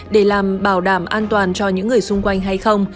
để làm bảo đảm an toàn cho những người xung quanh hay không